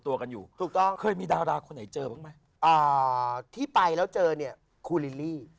อ่าที่ไปแล้วเจอเนี่ยครูลิลลี่